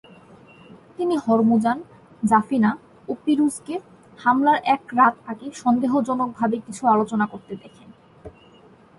তিনি হরমুজান, জাফিনা ও পিরুজকে হামলার এক রাত আগে সন্দেহজনকভাবে কিছু আলোচনা করতে দেখেন।